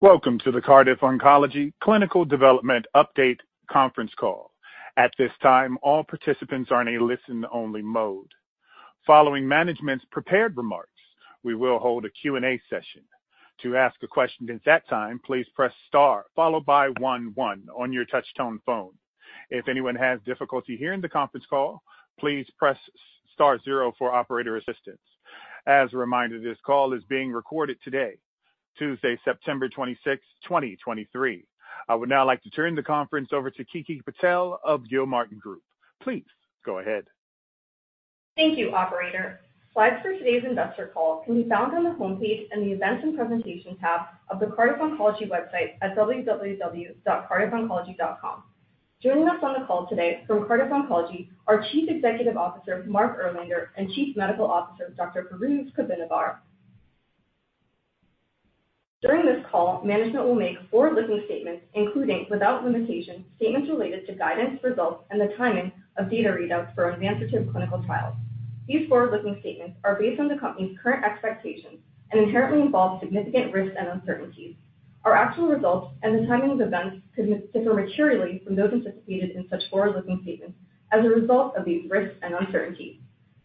Welcome to the Cardiff Oncology Clinical Development Update conference call. At this time, all participants are in a listen-only mode. Following management's prepared remarks, we will hold a Q&A session. To ask a question at that time, please press star followed by one, one on your touchtone phone. If anyone has difficulty hearing the conference call, please press star zero for operator assistance. As a reminder, this call is being recorded today, Tuesday, September 26, 2023. I would now like to turn the conference over to Kiki Patel of Gilmartin Group. Please go ahead. Thank you, operator. Slides for today's investor call can be found on the homepage in the Events and Presentations tab of the Cardiff Oncology website at www.cardiffoncology.com. Joining us on the call today from Cardiff Oncology are Chief Executive Officer, Mark Erlander, and Chief Medical Officer, Dr. Fairooz Kabbinavar. During this call, management will make forward-looking statements, including, without limitation, statements related to guidance, results, and the timing of data readouts for onvansertib clinical trials. These forward-looking statements are based on the company's current expectations and inherently involve significant risks and uncertainties. Our actual results and the timing of events could differ materially from those anticipated in such forward-looking statements as a result of these risks and uncertainties.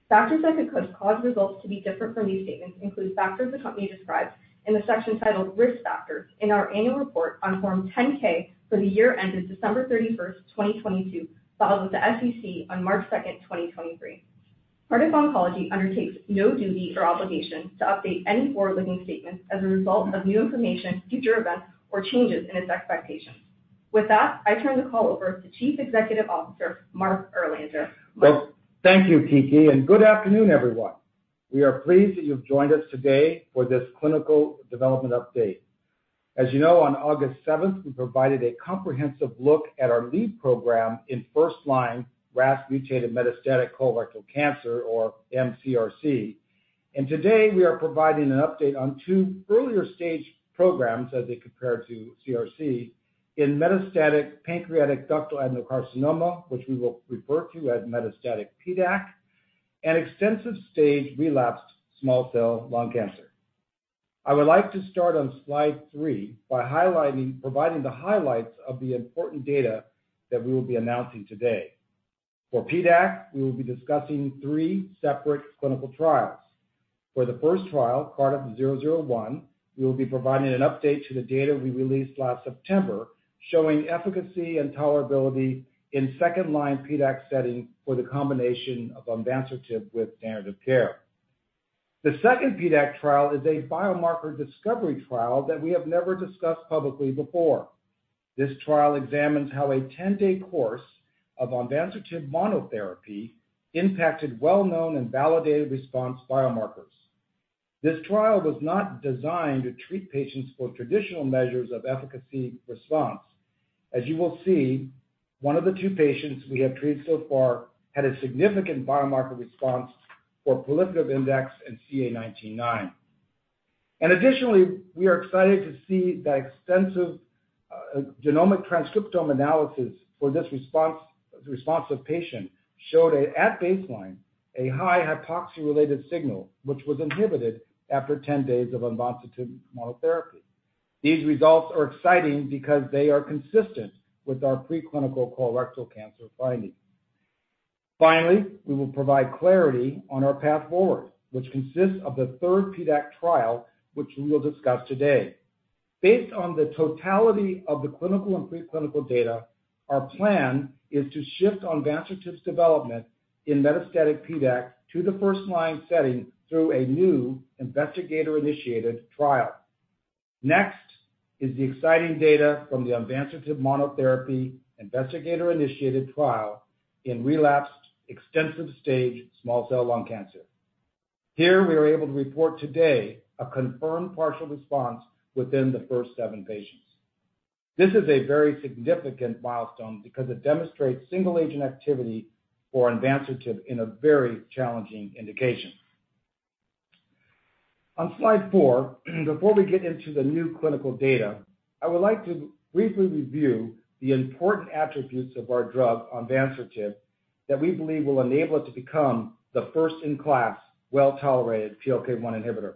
Factors that could cause results to be different from these statements include factors the company describes in the section titled "Risk Factors" in our annual report on Form 10-K for the year ended December 31, 2022, filed with the SEC on March 2, 2023. Cardiff Oncology undertakes no duty or obligation to update any forward-looking statements as a result of new information, future events, or changes in its expectations. With that, I turn the call over to Chief Executive Officer, Mark Erlander. Well, thank you, Kiki, and good afternoon, everyone. We are pleased that you've joined us today for this clinical development update. As you know, on August 7th, we provided a comprehensive look at our lead program in first-line RAS mutated metastatic colorectal cancer, or mCRC. And today, we are providing an update on two earlier-stage programs as they compare to CRC in metastatic pancreatic ductal adenocarcinoma, which we will refer to as metastatic PDAC, and extensive stage relapsed small cell lung cancer. I would like to start on slide three by providing the highlights of the important data that we will be announcing today. For PDAC, we will be discussing three separate clinical trials. For the first trial, Cardiff 001, we will be providing an update to the data we released last September, showing efficacy and tolerability in second-line PDAC setting for the combination of onvansertib with standard of care. The second PDAC trial is a biomarker discovery trial that we have never discussed publicly before. This trial examines how a 10-day course of onvansertib monotherapy impacted well-known and validated response biomarkers. This trial was not designed to treat patients for traditional measures of efficacy response. As you will see, one of the two patients we have treated so far had a significant biomarker response for proliferative index and CA 19-9. And additionally, we are excited to see that extensive genomic transcriptome analysis for this responsive patient showed at baseline a high hypoxia-related signal, which was inhibited after 10 days of onvansertib monotherapy. These results are exciting because they are consistent with our preclinical colorectal cancer findings. Finally, we will provide clarity on our path forward, which consists of the third PDAC trial, which we will discuss today. Based on the totality of the clinical and preclinical data, our plan is to shift onvansertib's development in metastatic PDAC to the first-line setting through a new investigator-initiated trial. Next is the exciting data from the onvansertib monotherapy investigator-initiated trial in relapsed extensive-stage small cell lung cancer. Here, we are able to report today a confirmed partial response within the first seven patients. This is a very significant milestone because it demonstrates single-agent activity for onvansertib in a very challenging indication. On slide four, before we get into the new clinical data, I would like to briefly review the important attributes of our drug, onvansertib, that we believe will enable it to become the first-in-class, well-tolerated PLK1 inhibitor.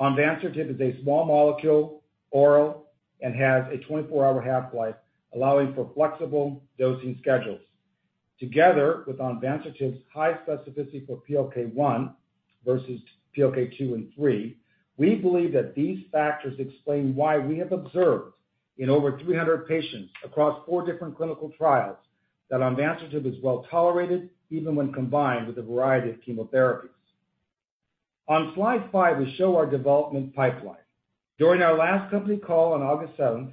Onvansertib is a small molecule, oral, and has a 24-hour half-life, allowing for flexible dosing schedules. Together with onvansertib's high specificity for PLK1 versus PLK2 and PLK3, we believe that these factors explain why we have observed in over 300 patients across four different clinical trials, that onvansertib is well-tolerated, even when combined with a variety of chemotherapies. On slide five, we show our development pipeline. During our last company call on August seventh,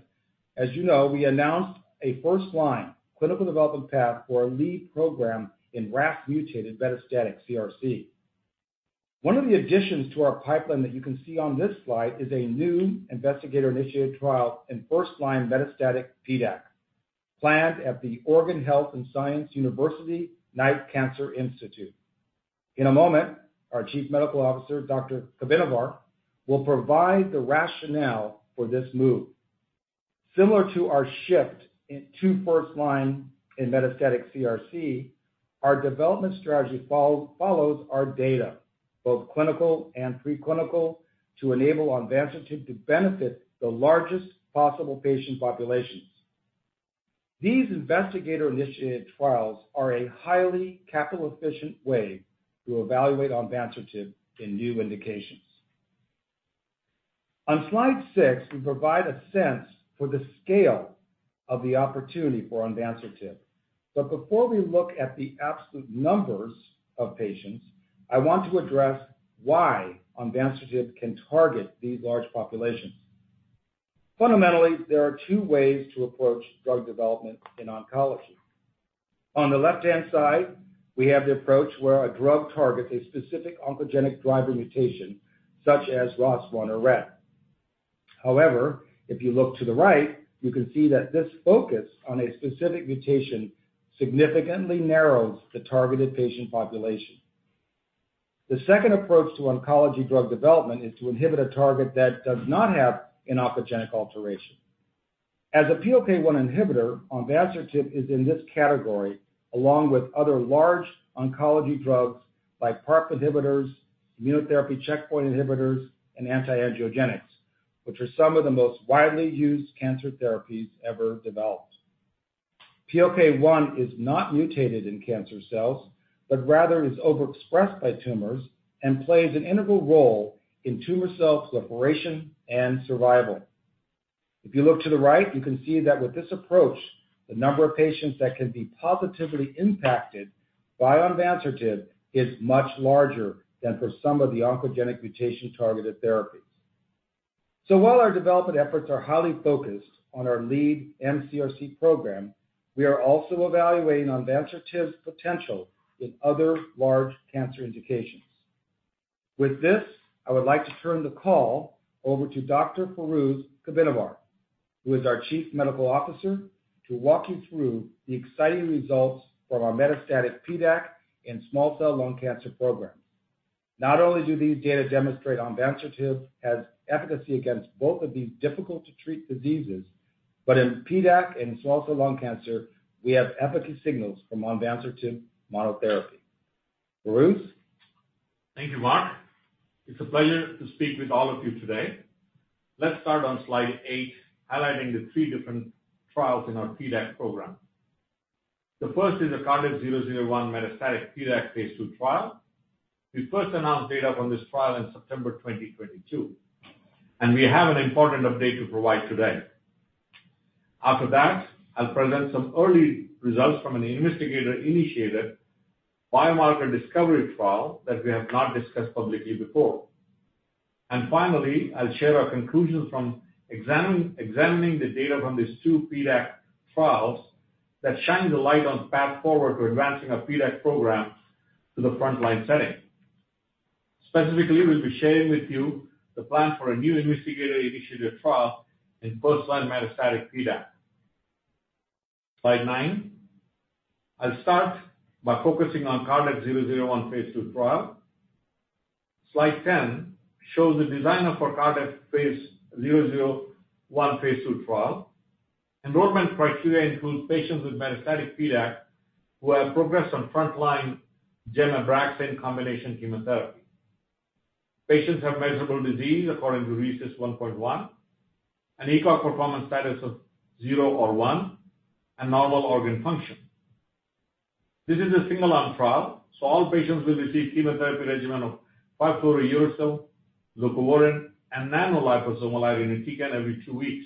as you know, we announced a first-line clinical development path for our lead program in RAS mutated metastatic CRC. One of the additions to our pipeline that you can see on this slide is a new investigator-initiated trial in first-line metastatic PDAC, planned at the Oregon Health and Science University Knight Cancer Institute. In a moment, our Chief Medical Officer, Dr. Kabbinavar, will provide the rationale for this move.... Similar to our shift in to first line in metastatic CRC, our development strategy follows our data, both clinical and pre-clinical, to enable onvansertib to benefit the largest possible patient populations. These investigator-initiated trials are a highly capital efficient way to evaluate onvansertib in new indications. On slide six, we provide a sense for the scale of the opportunity for onvansertib. But before we look at the absolute numbers of patients, I want to address why onvansertib can target these large populations. Fundamentally, there are two ways to approach drug development in oncology. On the left-hand side, we have the approach where a drug targets a specific oncogenic driver mutation, such as ROS1 or RET. However, if you look to the right, you can see that this focus on a specific mutation significantly narrows the targeted patient population. The second approach to oncology drug development is to inhibit a target that does not have an oncogenic alteration. As a PLK1 inhibitor, onvansertib is in this category, along with other large oncology drugs like PARP inhibitors, immunotherapy checkpoint inhibitors, and anti-angiogenics, which are some of the most widely used cancer therapies ever developed. PLK1 is not mutated in cancer cells, but rather is overexpressed by tumors and plays an integral role in tumor cell proliferation and survival. If you look to the right, you can see that with this approach, the number of patients that can be positively impacted by onvansertib is much larger than for some of the oncogenic mutation-targeted therapies. So while our development efforts are highly focused on our lead mCRC program, we are also evaluating onvansertib's potential in other large cancer indications. With this, I would like to turn the call over to Dr. Fairooz Kabbinavar, who is our Chief Medical Officer, to walk you through the exciting results from our metastatic PDAC and small cell lung cancer programs. Not only do these data demonstrate onvansertib has efficacy against both of these difficult-to-treat diseases, but in PDAC and small cell lung cancer, we have efficacy signals from onvansertib monotherapy. Fairooz? Thank you, Mark. It's a pleasure to speak with all of you today. Let's start on slide 8, highlighting the 3 different trials in our PDAC program. The first is the Cardiff 001 metastatic PDAC phase 2 trial. We first announced data from this trial in September 2022, and we have an important update to provide today. After that, I'll present some early results from an investigator-initiated biomarker discovery trial that we have not discussed publicly before. Finally, I'll share our conclusions from examining the data from these two PDAC trials that shine the light on the path forward to advancing our PDAC program to the frontline setting. Specifically, we'll be sharing with you the plan for a new investigator-initiated trial in first-line metastatic PDAC. Slide 9. I'll start by focusing on Cardiff 001 phase II trial. Slide 10 shows the design of our Cardiff phase 001 phase II trial. Enrollment criteria includes patients with metastatic PDAC who have progressed on frontline gemcitabine combination chemotherapy. Patients have measurable disease according to RECIST 1.1, an ECOG performance status of 0 or 1, and normal organ function. This is a single arm trial, so all patients will receive chemotherapy regimen of fluorouracil, leucovorin, and nanoliposomal irinotecan every two weeks.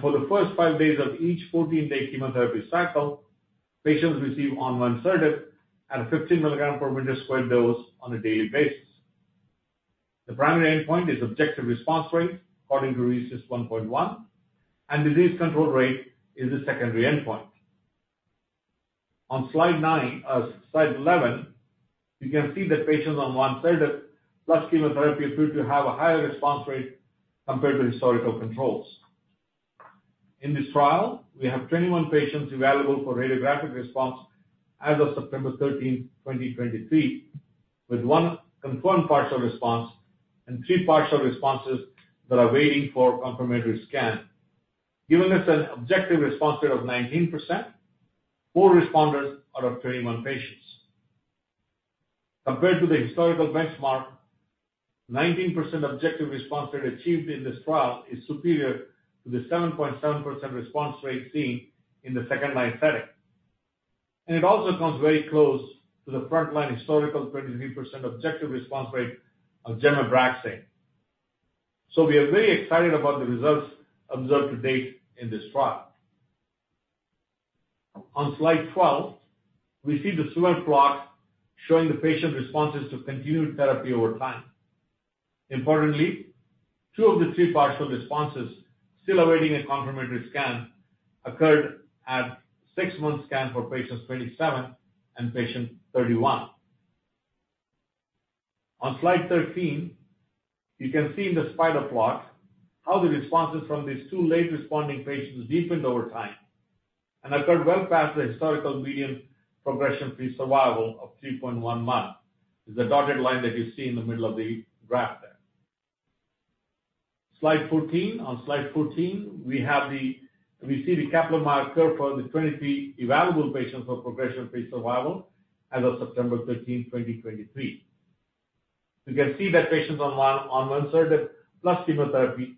For the first five days of each 14-day chemotherapy cycle, patients receive onvansertib at a 15 mg/m² dose on a daily basis. The primary endpoint is objective response rate according to RECIST 1.1, and disease control rate is the secondary endpoint. On slide 9, slide 11, you can see that patients on onvansertib plus chemotherapy appear to have a higher response rate compared to historical controls. In this trial, we have 21 patients available for radiographic response as of September 13, 2023, with 1 confirmed partial response and 3 partial responses that are waiting for confirmatory scan, giving us an objective response rate of 19%, 4 responders out of 21 patients. Compared to the historical benchmark, 19% objective response rate achieved in this trial is superior to the 7.7% response rate seen in the second-line setting. It also comes very close to the frontline historical 23% objective response rate of gemcitabine. We are very excited about the results observed to date in this trial. On slide 12, we see the survival plot showing the patient responses to continued therapy over time. Importantly, 2 of the 3 partial responses still awaiting a confirmatory scan occurred at 6-month scan for patients 27 and patient 31. On slide 13, you can see in the spider plot how the responses from these two late-responding patients deepened over time... and occurred well past the historical median progression-free survival of 3.1 months, is the dotted line that you see in the middle of the graph there. Slide 14. On slide 14, we see the Kaplan-Meier curve for the 23 evaluable patients for progression-free survival as of September 13th, 2023. You can see that patients on onvansertib plus chemotherapy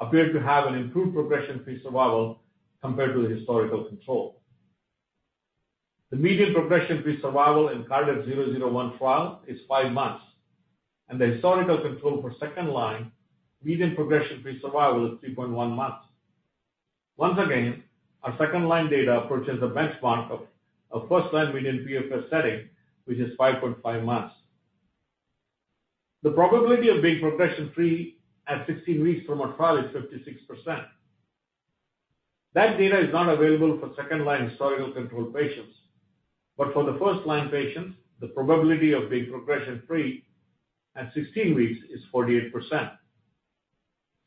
appear to have an improved progression-free survival compared to the historical control. The median progression-free survival in Cardiff 001 trial is 5 months, and the historical control for second-line median progression-free survival is 3.1 months. Once again, our second-line data approaches the benchmark of, of first-line median PFS setting, which is 5.5 months. The probability of being progression-free at 16 weeks from our trial is 56%. That data is not available for second-line historical control patients. But for the first-line patients, the probability of being progression-free at 16 weeks is 48%.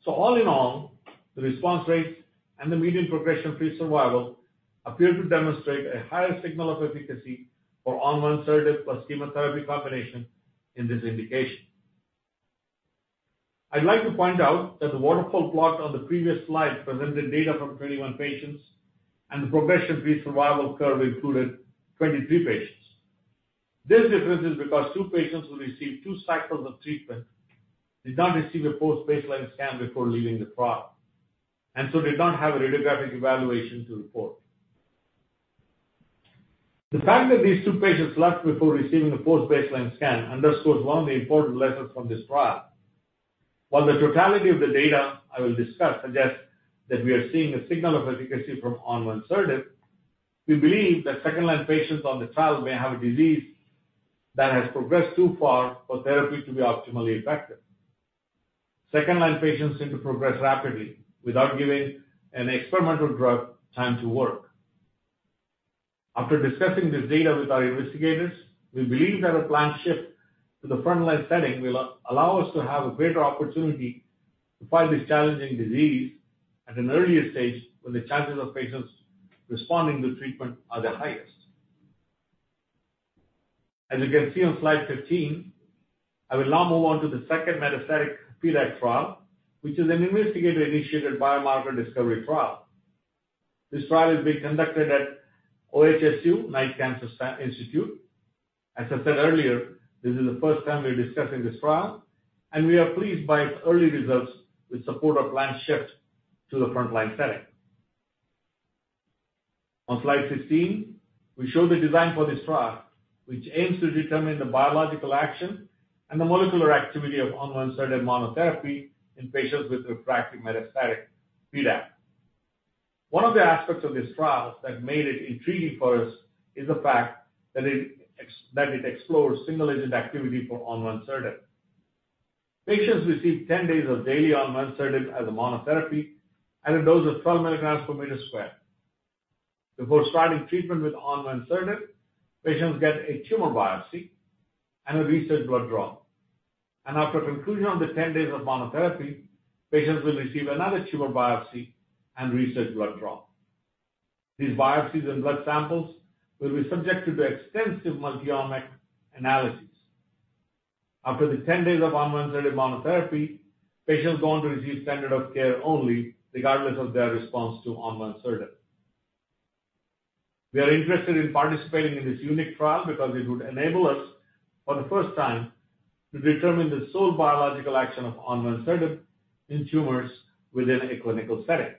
So all in all, the response rates and the median progression-free survival appear to demonstrate a higher signal of efficacy for onvansertib plus chemotherapy combination in this indication. I'd like to point out that the waterfall plot on the previous slide presented data from 21 patients, and the progression-free survival curve included 23 patients. This difference is because two patients who received two cycles of treatment did not receive a post-baseline scan before leaving the trial, and so did not have a radiographic evaluation to report. The fact that these two patients left before receiving a post-baseline scan underscores one of the important lessons from this trial. While the totality of the data I will discuss suggests that we are seeing a signal of efficacy from onvansertib, we believe that second-line patients on the trial may have a disease that has progressed too far for therapy to be optimally effective. Second-line patients seem to progress rapidly without giving an experimental drug time to work. After discussing this data with our investigators, we believe that a planned shift to the front-line setting will allow us to have a greater opportunity to fight this challenging disease at an earlier stage, when the chances of patients responding to treatment are the highest. As you can see on slide 15, I will now move on to the second metastatic PDAC trial, which is an investigator-initiated biomarker discovery trial. This trial is being conducted at OHSU Knight Cancer Institute.As I said earlier, this is the first time we are discussing this trial, and we are pleased by its early results, which support a planned shift to the front-line setting. On slide 16, we show the design for this trial, which aims to determine the biological action and the molecular activity of onvansertib monotherapy in patients with refractory metastatic PDAC. One of the aspects of this trial that made it intriguing for us is the fact that that it explores single agent activity for onvansertib. Patients receive 10 days of daily onvansertib as a monotherapy at a dose of 12 mg/m². These biopsies and blood samples will be subjected to extensive multiomic analyses. After the 10 days of onvansertib monotherapy, patients go on to receive standard of care only, regardless of their response to onvansertib. We are interested in participating in this unique trial because it would enable us, for the first time, to determine the sole biological action of onvansertib in tumors within a clinical setting.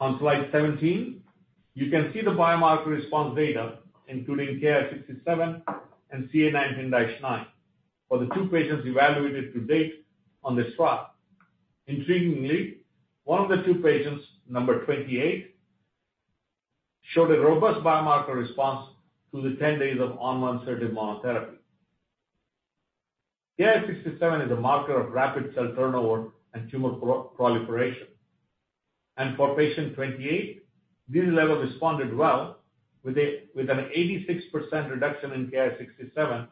On slide 17, you can see the biomarker response data, including Ki-67 and CA 19-9, for the 2 patients evaluated to date on this trial. Intriguingly, one of the 2 patients, number 28, showed a robust biomarker response to the 10 days of onvansertib monotherapy. Ki-67 is a marker of rapid cell turnover and tumor proliferation, and for patient 28, this level responded well with an 86% reduction in Ki-67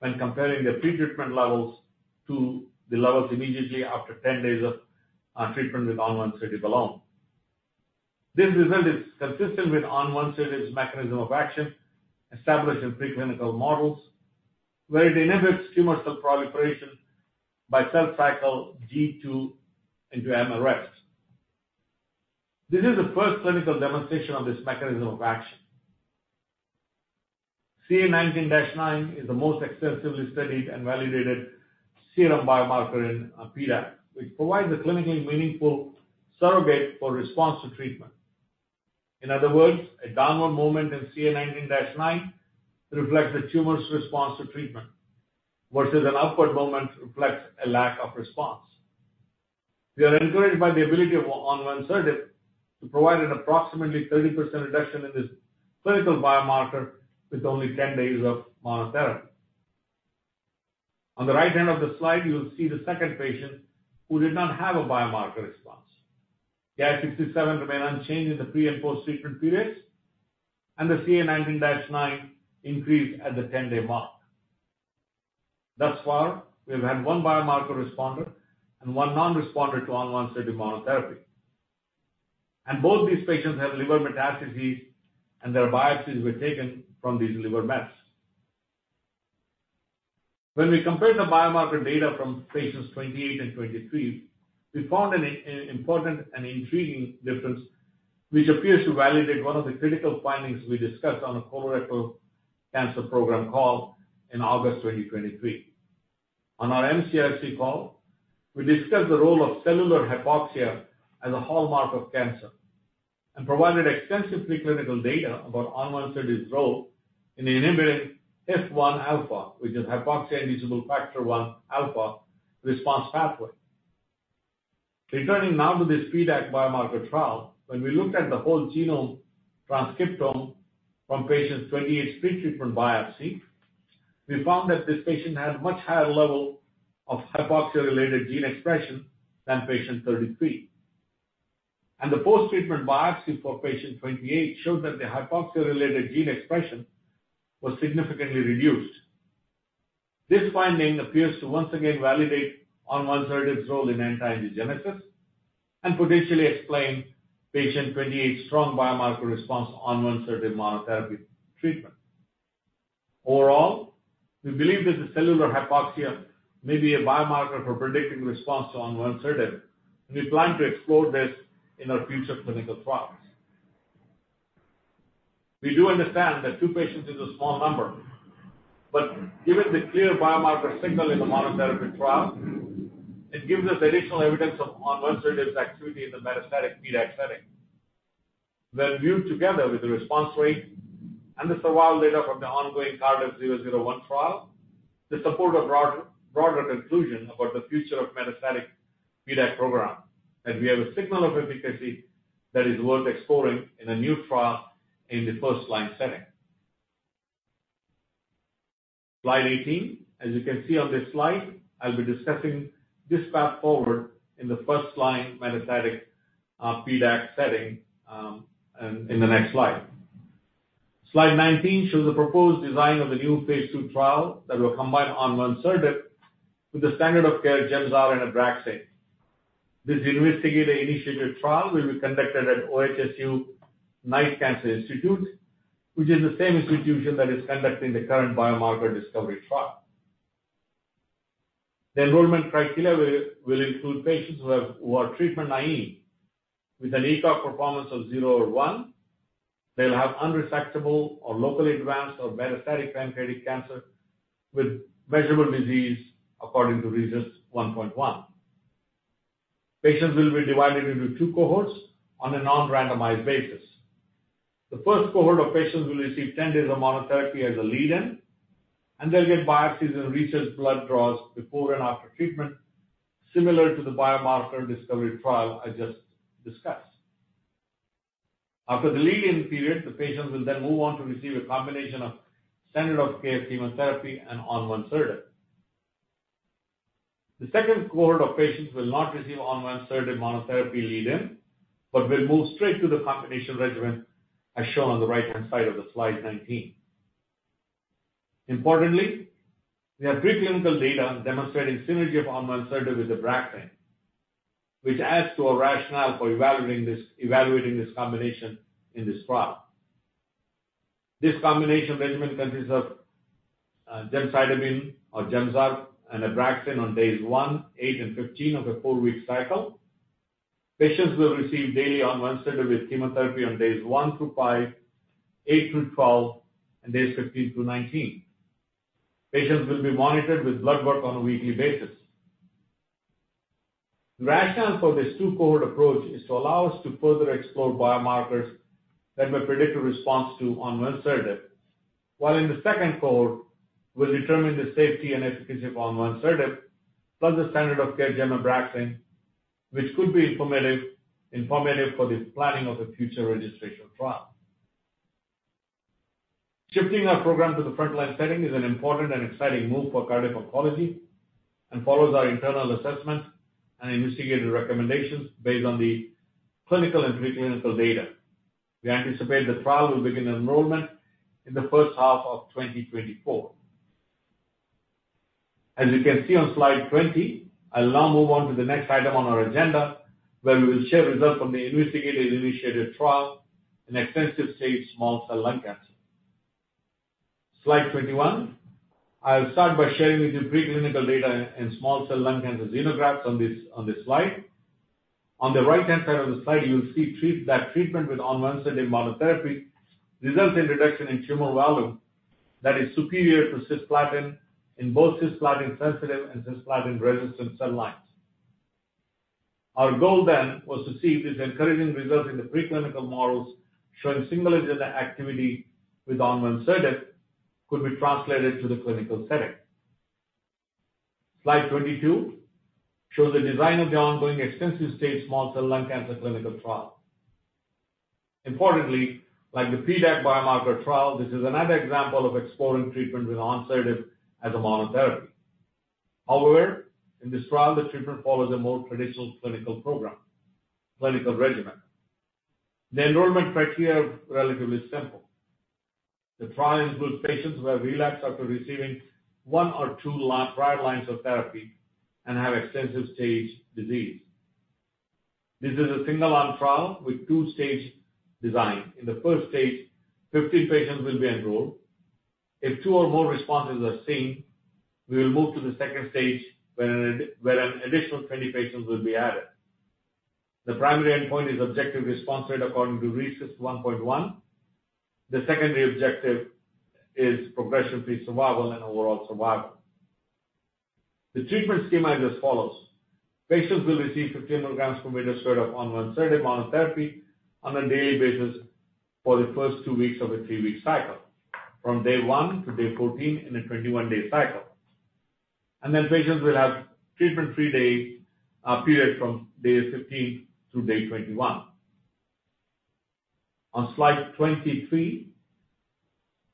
when comparing the pretreatment levels to the levels immediately after 10 days of treatment with onvansertib alone. This result is consistent with onvansertib's mechanism of action established in preclinical models, where it inhibits tumor cell proliferation by cell cycle G2/M arrest. This is the first clinical demonstration of this mechanism of action. CA 19-9 is the most extensively studied and validated serum biomarker in PDAC, which provides a clinically meaningful surrogate for response to treatment. In other words, a downward movement in CA 19-9 reflects the tumor's response to treatment, versus an upward movement reflects a lack of response. We are encouraged by the ability of onvansertib to provide an approximately 30% reduction in this clinical biomarker with only 10 days of monotherapy. On the right hand of the slide, you will see the second patient who did not have a biomarker response. Ki-67 remained unchanged in the pre- and post-treatment periods, and the CA 19-9 increased at the 10-day mark. Thus far, we have had one biomarker responder and one non-responder to onvansertib monotherapy. Both these patients have liver metastases, and their biopsies were taken from these liver mets. When we compared the biomarker data from patients 28 and 23, we found an important and intriguing difference, which appears to validate one of the critical findings we discussed on the colorectal cancer program call in August 2023. On our mCRC call, we discussed the role of cellular hypoxia as a hallmark of cancer and provided extensive clinical data about onvansertib's role in inhibiting HIF-1α, which is hypoxia-inducible factor 1 alpha response pathway. Returning now to this PDAC biomarker trial, when we looked at the whole genome transcriptome from patient 28's pretreatment biopsy, we found that this patient had much higher level of hypoxia-related gene expression than patient 33. The post-treatment biopsy for patient 28 showed that the hypoxia-related gene expression was significantly reduced. This finding appears to once again validate onvansertib's role in anti-angiogenesis and potentially explain patient 28's strong biomarker response to onvansertib monotherapy treatment. Overall, we believe that the cellular hypoxia may be a biomarker for predicting response to onvansertib, and we plan to explore this in our future clinical trials. We do understand that two patients is a small number, but given the clear biomarker signal in the monotherapy trial, it gives us additional evidence of onvansertib's activity in the metastatic PDAC setting. When viewed together with the response rate and the survival data from the ongoing Cardiff-001 trial, they support a broader, broader conclusion about the future of metastatic PDAC program, that we have a signal of efficacy that is worth exploring in a new trial in the first-line setting. Slide 18. As you can see on this slide, I'll be discussing this path forward in the first-line metastatic PDAC setting in the next slide. Slide 19 shows the proposed design of the new phase 2 trial that will combine onvansertib with the standard of care Gemzar and Abraxane. This investigator-initiated trial will be conducted at OHSU Knight Cancer Institute, which is the same institution that is conducting the current biomarker discovery trial. The enrollment criteria will include patients who are treatment-naïve, with an ECOG performance of 0 or 1. They will have unresectable or locally advanced or metastatic pancreatic cancer with measurable disease according to RECIST 1.1. Patients will be divided into 2 cohorts on a non-randomized basis. The first cohort of patients will receive 10 days of monotherapy as a lead-in, and they will get biopsies and research blood draws before and after treatment, similar to the biomarker discovery trial I just discussed. After the lead-in period, the patients will then move on to receive a combination of standard of care chemotherapy and onvansertib. The second cohort of patients will not receive onvansertib monotherapy lead-in, but will move straight to the combination regimen, as shown on the right-hand side of the slide 19. Importantly, we have preclinical data demonstrating synergy of onvansertib with Abraxane, which adds to our rationale for evaluating this, evaluating this combination in this trial. This combination regimen consists of gemcitabine or Gemzar and Abraxane on days 1, 8, and 15 of a four week cycle. Patients will receive daily onvansertib with chemotherapy on days 1 through 5, 8 through 12, and days 15 through 19. Patients will be monitored with blood work on a weekly basis. The rationale for this two-cohort approach is to allow us to further explore biomarkers that may predict a response to onvansertib, while in the second cohort, we'll determine the safety and efficacy of onvansertib, plus the standard of care gem and Abraxane, which could be informative for the planning of a future registration trial. Shifting our program to the frontline setting is an important and exciting move for Cardiff Oncology and follows our internal assessment and investigative recommendations based on the clinical and preclinical data. We anticipate the trial will begin enrollment in the first half of 2024. As you can see on slide 20, I'll now move on to the next item on our agenda, where we will share results from the investigator-initiated trial in extensive-stage small cell lung cancer. Slide 21. I'll start by sharing with you preclinical data in small cell lung cancer xenografts on this, on this slide. On the right-hand side of the slide, you'll see that treatment with onvansertib monotherapy results in reduction in tumor volume that is superior to cisplatin in both cisplatin-sensitive and cisplatin-resistant cell lines. Our goal then, was to see if these encouraging results in the preclinical models showing similar gen activity with onvansertib could be translated to the clinical setting. Slide 22 shows the design of the ongoing extensive-stage small cell lung cancer clinical trial. Importantly, like the PDAC biomarker trial, this is another example of exploring treatment with onvansertib as a monotherapy. However, in this trial, the treatment follows a more traditional clinical program, clinical regimen. The enrollment criteria are relatively simple. The trial includes patients who have relapsed after receiving 1 or 2 line, prior lines of therapy and have extensive stage disease. This is a single arm trial with two-stage design. In the first stage, 15 patients will be enrolled. If 2 or more responses are seen, we will move to the second stage, where an additional 20 patients will be added. The primary endpoint is objective response rate according to RECIST 1.1. The secondary objective is progression-free survival and overall survival. The treatment schema is as follows: patients will receive 15 mg/m² of onvansertib monotherapy on a daily basis for the first two weeks of a three week cycle, from day one to day 14 in a 21-day cycle. And then patients will have treatment-free days, period from day 15 to day 21. On slide 23,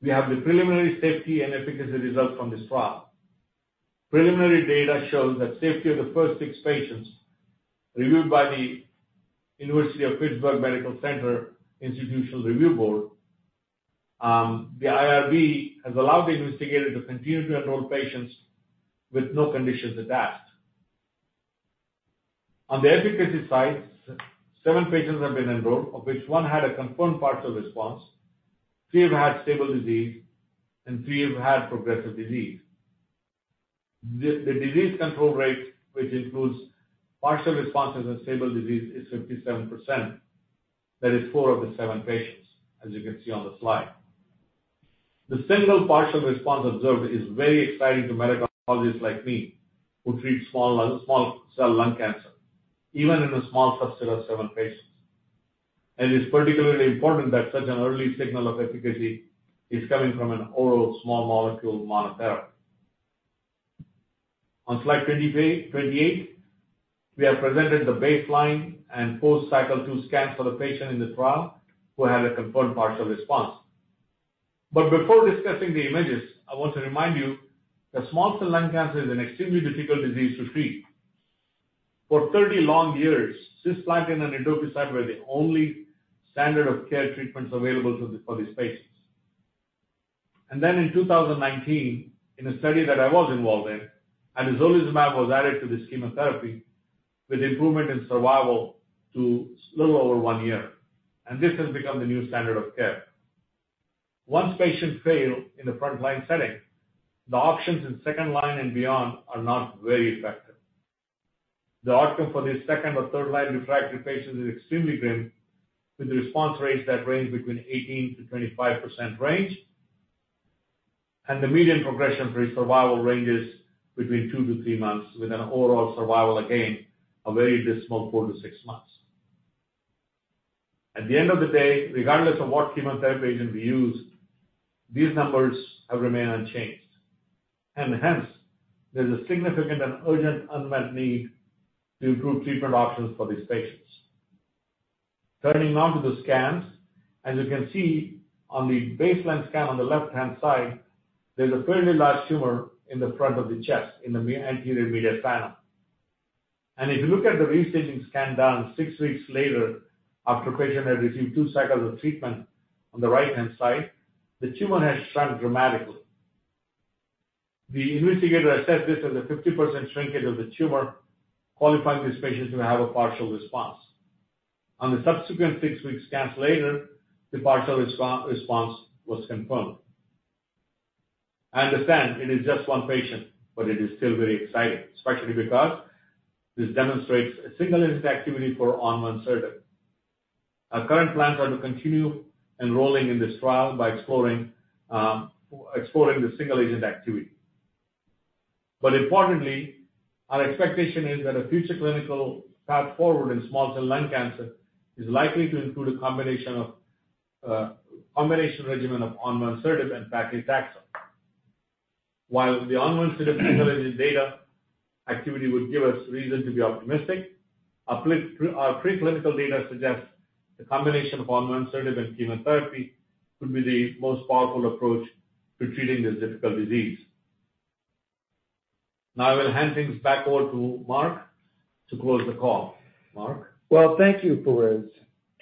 we have the preliminary safety and efficacy results from this trial. Preliminary data shows that safety of the first 6 patients reviewed by the University of Pittsburgh Medical Center Institutional Review Board, the IRB, has allowed the investigator to continue to enroll patients with no conditions attached. On the efficacy side, 7 patients have been enrolled, of which 1 had a confirmed partial response, 3 have had stable disease, and 3 have had progressive disease. The disease control rate, which includes partial responses and stable disease, is 57%. That is 4 of the 7 patients, as you can see on the slide. The single partial response observed is very exciting to medical oncologists like me, who treat small cell lung cancer, even in a small subset of 7 patients. It is particularly important that such an early signal of efficacy is coming from an oral small molecule monotherapy. On slide 28, 28, we have presented the baseline and post cycle 2 scans for the patient in the trial who had a confirmed partial response. But before discussing the images, I want to remind you that small cell lung cancer is an extremely difficult disease to treat. For 30 long years, cisplatin and etoposide were the only standard of care treatments available to the—for these patients. And then in 2019, in a study that I was involved in, atezolizumab was added to the chemotherapy with improvement in survival to little over one year, and this has become the new standard of care. Once patients fail in the front line setting, the options in second line and beyond are not very effective. The outcome for these second or third line refractory patients is extremely grim, with response rates that range between 18%-25% range, and the median progression-free survival ranges between two to three months, with an overall survival, again, a very dismal four to six months. At the end of the day, regardless of what chemotherapy agent we use, these numbers have remained unchanged, and hence, there's a significant and urgent unmet need to improve treatment options for these patients. Turning now to the scans, as you can see on the baseline scan on the left-hand side, there's a fairly large tumor in the front of the chest, in the anterior medial panel. If you look at the restaging scan done 6 weeks later, after patient had received 2 cycles of treatment on the right-hand side, the tumor has shrunk dramatically. The investigator assessed this as a 50% shrinkage of the tumor, qualifying this patient to have a partial response. On the subsequent six weeks scans later, the partial response was confirmed. I understand it is just one patient, but it is still very exciting, especially because this demonstrates a single agent activity for onvansertib. Our current plans are to continue enrolling in this trial by exploring, exploring the single-agent activity. But importantly, our expectation is that a future clinical path forward in small cell lung cancer is likely to include a combination of, combination regimen of onvansertib and paclitaxel. While the onvansertib single agent data activity would give us reason to be optimistic, our preclinical data suggests the combination of onvansertib and chemotherapy could be the most powerful approach to treating this difficult disease. Now I will hand things back over to Mark to close the call. Mark? Well, thank you, Fairooz.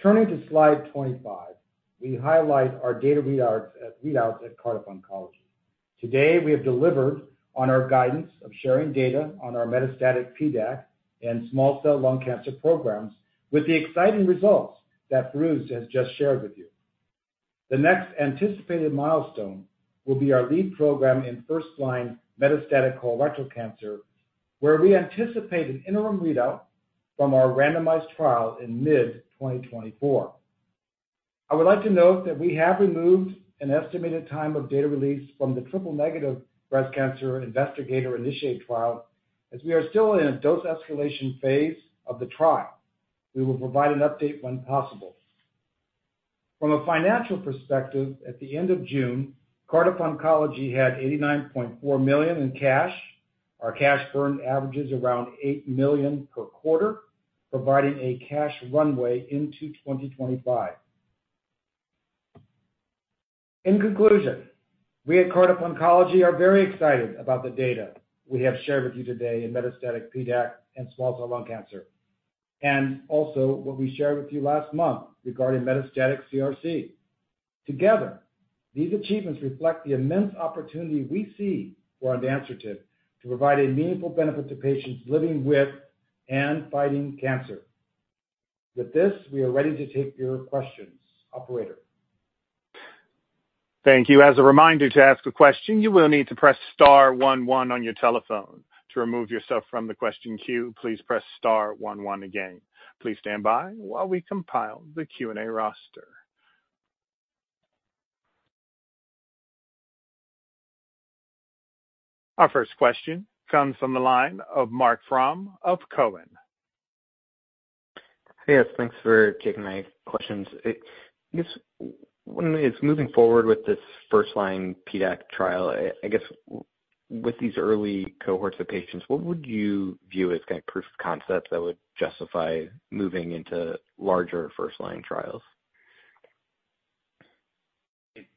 Turning to slide 25, we highlight our data readouts at Cardiff Oncology. Today, we have delivered on our guidance of sharing data on our metastatic PDAC and small cell lung cancer programs, with the exciting results that Fairooz has just shared with you. The next anticipated milestone will be our lead program in first-line metastatic colorectal cancer, where we anticipate an interim readout from our randomized trial in mid-2024. I would like to note that we have removed an estimated time of data release from the triple-negative breast cancer investigator-initiated trial, as we are still in a dose escalation phase of the trial. We will provide an update when possible. From a financial perspective, at the end of June, Cardiff Oncology had $89.4 million in cash. Our cash burn averages around $8 million per quarter, providing a cash runway into 2025. In conclusion, we at Cardiff Oncology are very excited about the data we have shared with you today in metastatic PDAC and small cell lung cancer, and also what we shared with you last month regarding metastatic CRC. Together, these achievements reflect the immense opportunity we see for onvansertib to provide a meaningful benefit to patients living with and fighting cancer. With this, we are ready to take your questions. Operator? Thank you. As a reminder, to ask a question, you will need to press star one one on your telephone. To remove yourself from the question queue, please press star one one again. Please stand by while we compile the Q&A roster. Our first question comes from the line of Marc Frahm of Cowen. Hey, guys. Thanks for taking my questions. I guess, as moving forward with this first line PDAC trial, I guess, with these early cohorts of patients, what would you view as kind of proof of concept that would justify moving into larger first line trials?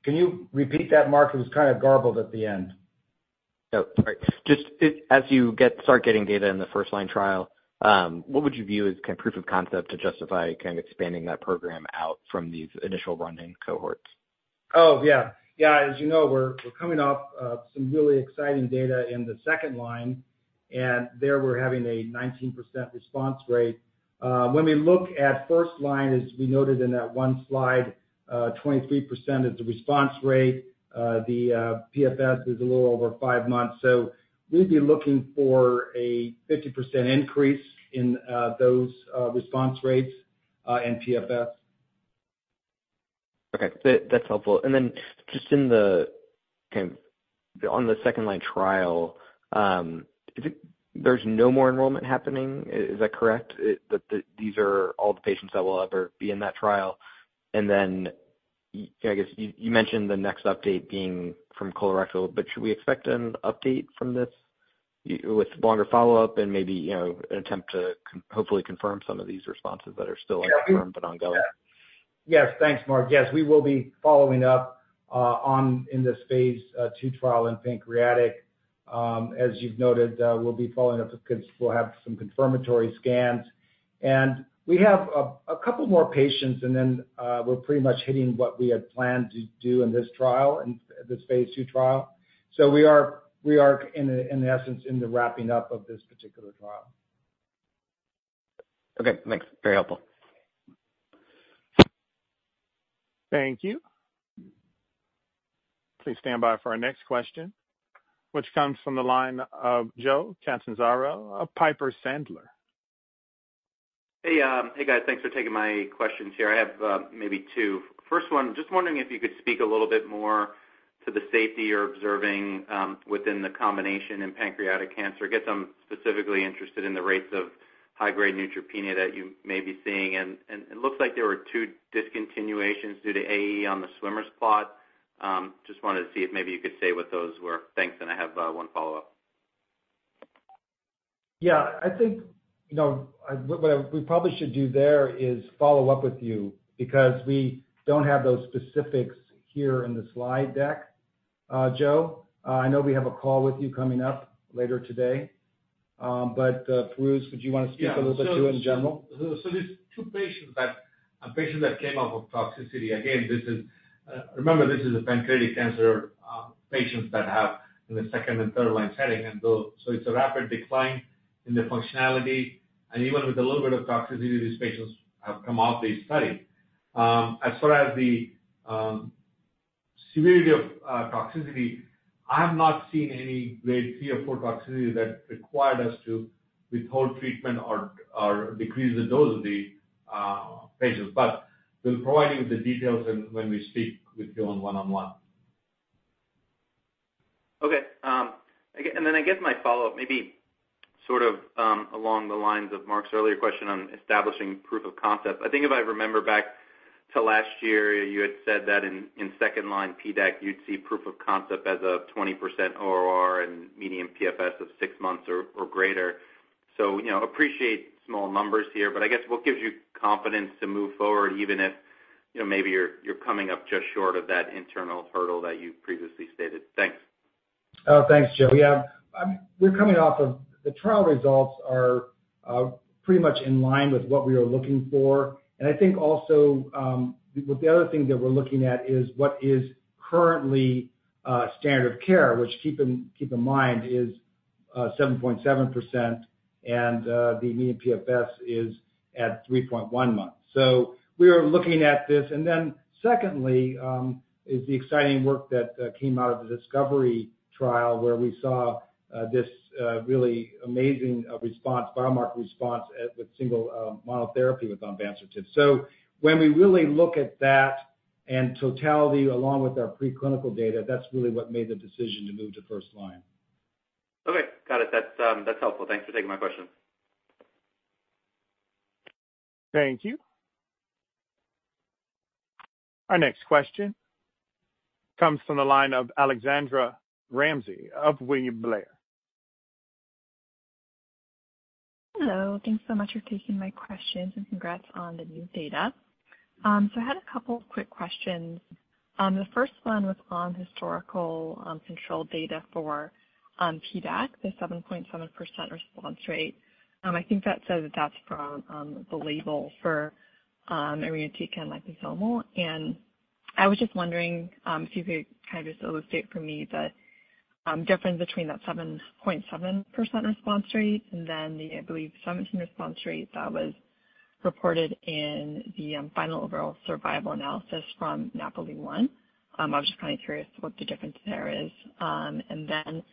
Can you repeat that, Mark? It was kind of garbled at the end. Oh, all right. Just as you start getting data in the first line trial, what would you view as kind of proof of concept to justify kind of expanding that program out from these initial running cohorts? Oh, yeah. Yeah, as you know, we're coming off some really exciting data in the second line, and there we're having a 19% response rate. When we look at first line, as we noted in that one slide, 23% is the response rate. The PFS is a little over 5 months. So we'd be looking for a 50% increase in those response rates in PFS. Okay, that's helpful. And then just in the, kind of, on the second line trial, is it... There's no more enrollment happening, is that correct? That these are all the patients that will ever be in that trial. And then, I guess, you, you mentioned the next update being from colorectal, but should we expect an update from this with longer follow-up and maybe, you know, an attempt to hopefully confirm some of these responses that are still unconfirmed but ongoing? Yes. Thanks, Mark. Yes, we will be following up in this phase two trial in pancreatic. As you've noted, we'll be following up. We'll have some confirmatory scans, and we have a couple more patients, and then we're pretty much hitting what we had planned to do in this trial, in this phase two trial. So we are in essence wrapping up this particular trial. Okay, thanks. Very helpful. Thank you. Please stand by for our next question, which comes from the line of Joe Catanzaro of Piper Sandler. Hey, hey, guys. Thanks for taking my questions here. I have maybe two. First one, just wondering if you could speak a little bit more to the safety you're observing within the combination in pancreatic cancer. I guess I'm specifically interested in the rates of high-grade neutropenia that you may be seeing, and it looks like there were two discontinuations due to AE on the Swimmer's plot. Just wanted to see if maybe you could say what those were. Thanks, and I have one follow-up. Yeah, I think, you know, what we probably should do there is follow up with you because we don't have those specifics here in the slide deck. Joe, I know we have a call with you coming up later today, but Fairooz, would you want to speak a little bit to it in general? Yeah. So there's two patients that came up with toxicity. Again, this is, remember, this is a pancreatic cancer patients that have in the second and third line setting, and so it's a rapid decline in the functionality, and even with a little bit of toxicity, these patients have come off the study. As far as the severity of toxicity, I have not seen any grade three or four toxicity that required us to withhold treatment or decrease the dose of the patients, but we'll provide you with the details when we speak with you on one-on-one. Okay, again, then I guess my follow-up may be sort of along the lines of Mark's earlier question on establishing proof of concept. I think if I remember back to last year, you had said that in second line PDAC, you'd see proof of concept as a 20% OR and median PFS of six months or greater. So, you know, appreciate small numbers here, but I guess what gives you confidence to move forward, even if, you know, maybe you're coming up just short of that internal hurdle that you've previously stated? Thanks. Oh, thanks, Joe. Yeah, we're coming off of the trial results are, pretty much in line with what we are looking for. And I think also, with the other thing that we're looking at is what is currently, standard of care, which keep in, keep in mind, is, 7.7%, and, the median PFS is at 3.1 months. So we are looking at this. And then secondly, is the exciting work that, came out of the discovery trial, where we saw, this, really amazing, response, biomarker response, with single, monotherapy with onvansertib. So when we really look at that and totality, along with our preclinical data, that's really what made the decision to move to first line. Okay, got it. That's, that's helpful. Thanks for taking my question. Thank you. Our next question comes from the line of Alexandra Ramsey of William Blair. ... Hello, thanks so much for taking my questions, and congrats on the new data. So I had a couple quick questions. The first one was on historical control data for PDAC, the 7.7% response rate. I think that says that that's from the label for liposomal irinotecan. I was just wondering if you could kind of just illustrate for me the difference between that 7.7% response rate and then the, I believe, 17% response rate that was reported in the final overall survival analysis from NAPOLI-1. I was just kind of curious what the difference there is. And then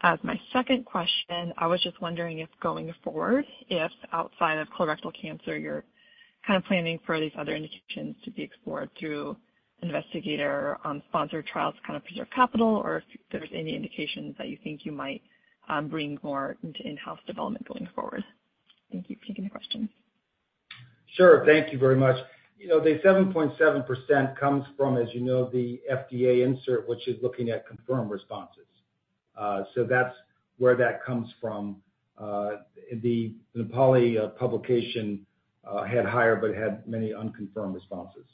as my second question, I was just wondering if going forward, if outside of colorectal cancer, you're kind of planning for these other indications to be explored through investigator sponsored trials to kind of preserve capital, or if there's any indications that you think you might bring more into in-house development going forward? Thank you for taking the question. Sure. Thank you very much. You know, the 7.7% comes from, as you know, the FDA insert, which is looking at confirmed responses. So that's where that comes from. The Napoli publication had higher, but had many unconfirmed responses.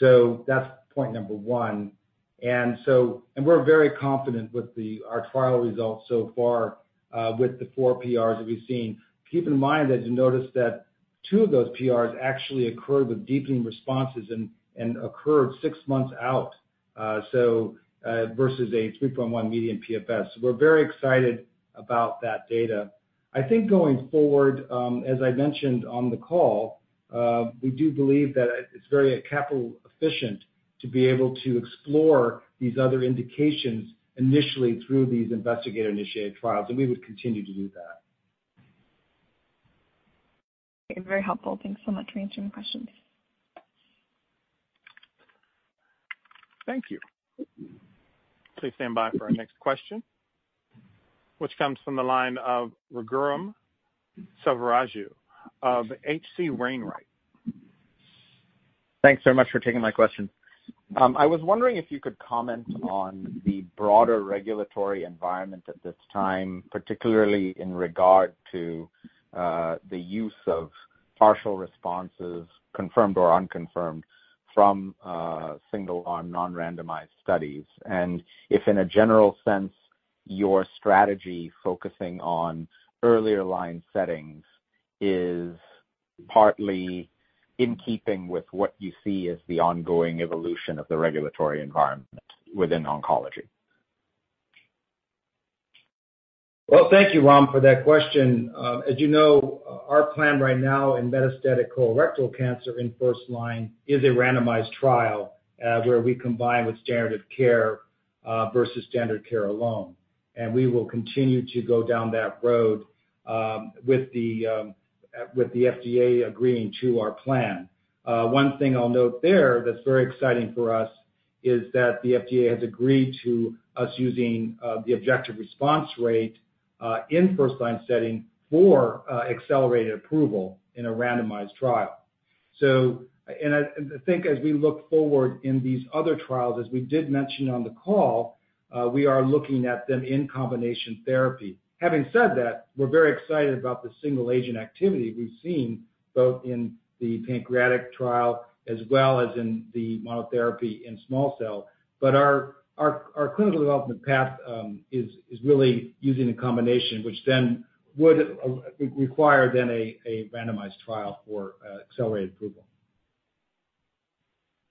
So that's point number 1. And we're very confident with our trial results so far, with the 4 PRs that we've seen. Keep in mind, as you noticed, that 2 of those PRs actually occurred with deepening responses and occurred 6 months out, so versus a 3.1 median PFS. So we're very excited about that data. I think going forward, as I mentioned on the call, we do believe that it, it's very capital efficient to be able to explore these other indications initially through these investigator-initiated trials, and we would continue to do that. Very helpful. Thanks so much for answering the questions. Thank you. Please stand by for our next question, which comes from the line of Raghuram Selvaraju of HC Wainwright. Thanks so much for taking my question. I was wondering if you could comment on the broader regulatory environment at this time, particularly in regard to the use of partial responses, confirmed or unconfirmed, from single arm non-randomized studies. And if in a general sense, your strategy focusing on earlier line settings is partly in keeping with what you see as the ongoing evolution of the regulatory environment within oncology? Well, thank you, Ram, for that question. As you know, our plan right now in metastatic colorectal cancer in first line is a randomized trial, where we combine with standard of care, versus standard care alone, and we will continue to go down that road, with the FDA agreeing to our plan. One thing I'll note there that's very exciting for us is that the FDA has agreed to us using the objective response rate in first line setting for accelerated approval in a randomized trial. So, I think as we look forward in these other trials, as we did mention on the call, we are looking at them in combination therapy. Having said that, we're very excited about the single agent activity we've seen, both in the pancreatic trial as well as in the monotherapy in small cell. But our clinical development path is really using the combination, which then would require a randomized trial for accelerated approval.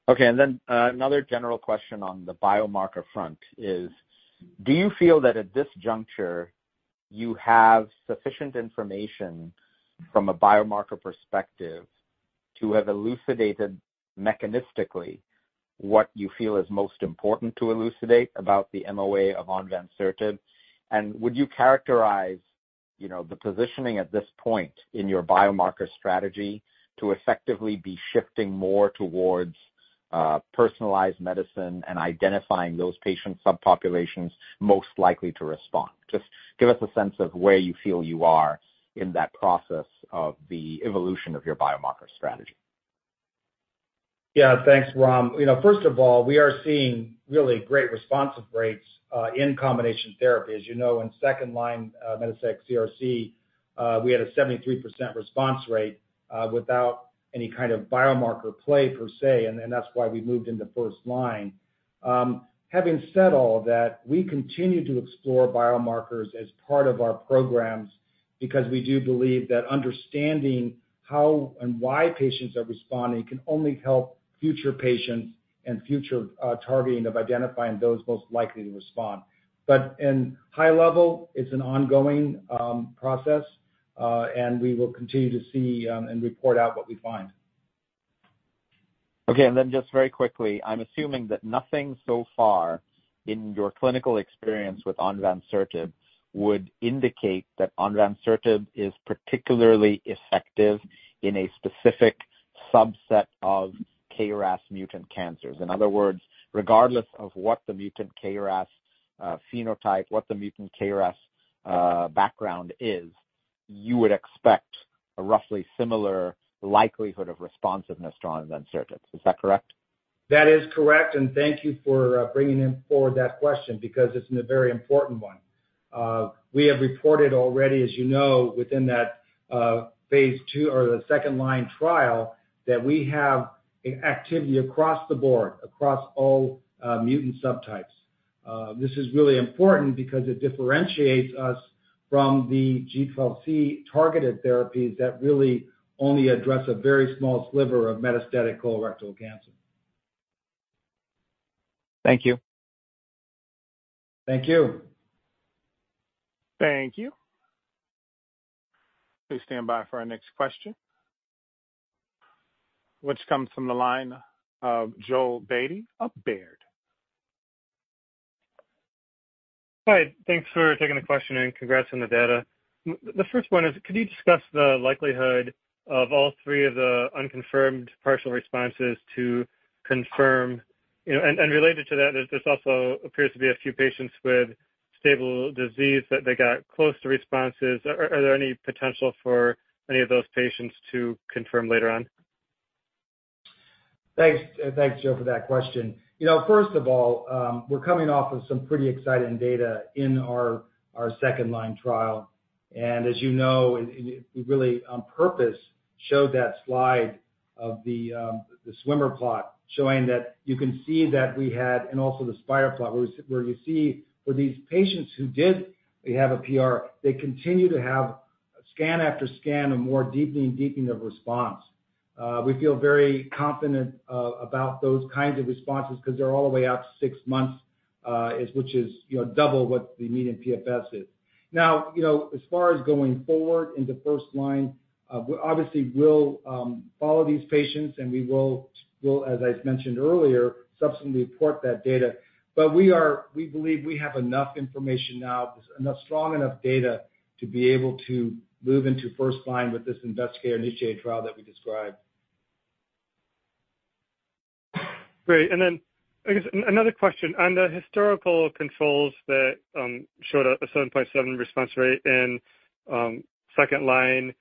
Okay, and then, another general question on the biomarker front is: Do you feel that at this juncture, you have sufficient information from a biomarker perspective to have elucidated mechanistically what you feel is most important to elucidate about the MOA of onvansertib? And would you characterize, you know, the positioning at this point in your biomarker strategy to effectively be shifting more towards, personalized medicine and identifying those patient subpopulations most likely to respond? Just give us a sense of where you feel you are in that process of the evolution of your biomarker strategy. Yeah. Thanks, Ram. You know, first of all, we are seeing really great response rates in combination therapy. As you know, in second line, metastatic CRC, we had a 73% response rate without any kind of biomarker play per se, and, and that's why we moved into first line. Having said all that, we continue to explore biomarkers as part of our programs because we do believe that understanding how and why patients are responding can only help future patients and future, targeting of identifying those most likely to respond. But in high level, it's an ongoing, process, and we will continue to see, and report out what we find. Okay, and then just very quickly, I'm assuming that nothing so far in your clinical experience with onvansertib would indicate that onvansertib is particularly effective in a specific subset of KRAS mutant cancers. In other words, regardless of what the mutant KRAS phenotype, what the mutant KRAS background is, you would expect a roughly similar likelihood of responsiveness to onvansertib. Is that correct?... That is correct, and thank you for bringing forward that question because it's a very important one. We have reported already, as you know, within that phase II or the second-line trial, that we have activity across the board, across all mutant subtypes. This is really important because it differentiates us from the G12C-targeted therapies that really only address a very small sliver of metastatic colorectal cancer. Thank you. Thank you. Thank you. Please stand by for our next question, which comes from the line of Joel Beatty of Baird. Hi, thanks for taking the question, and congrats on the data. The first one is, could you discuss the likelihood of all three of the unconfirmed partial responses to confirm? You know, and related to that, there's also appears to be a few patients with stable disease that they got close to responses. Are there any potential for any of those patients to confirm later on? Thanks. Thanks, Joel, for that question. You know, first of all, we're coming off of some pretty exciting data in our second-line trial. And as you know, and we really, on purpose, showed that slide of the swimmer plot, showing that you can see that we had. And also the spider plot, where you see for these patients who did have a PR, they continue to have scan after scan, a more deepening and deepening of response. We feel very confident about those kinds of responses because they're all the way out to six months, which is, you know, double what the median PFS is. Now, you know, as far as going forward in the first-line, we obviously will follow these patients, and we will, as I mentioned earlier, subsequently report that data. We believe we have enough strong data now, to be able to move into first-line with this investigator-initiated trial that we described. Great. And then I guess another question on the historical controls that showed a 7.7 response rate in second line,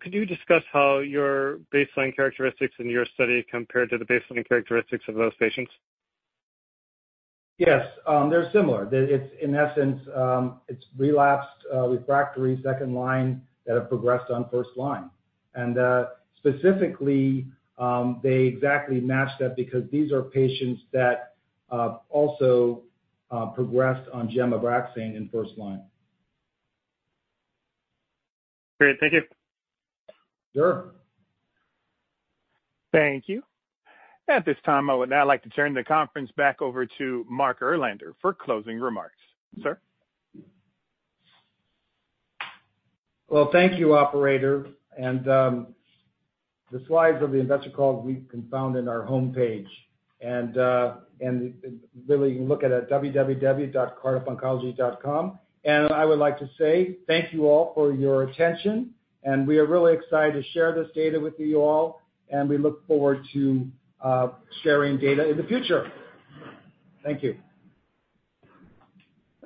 could you discuss how your baseline characteristics in your study compared to the baseline characteristics of those patients? Yes, they're similar. It's, in essence, it's relapsed, refractory second line that have progressed on first line. Specifically, they exactly match that because these are patients that also progressed on Gem-Abraxane in first line. Great, thank you. Sure. Thank you. At this time, I would now like to turn the conference back over to Mark Erlander for closing remarks. Sir? Well, thank you, operator, and the slides of the investor call we can found in our homepage, and really you can look at it at www.cardiffoncology.com. I would like to say thank you all for your attention, and we are really excited to share this data with you all, and we look forward to sharing data in the future. Thank you.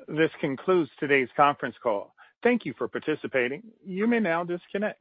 This concludes today's conference call. Thank you for participating. You may now disconnect.